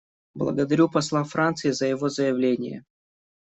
Благодарю посла Франции за его заявление.